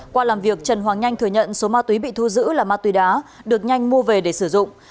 qua làm việc trần hoàng nhanh thừa nhận số ma túy bị thu giữ là ma túy đá được nhanh mua về để sử dụng